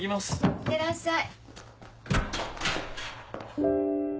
いってらっしゃい。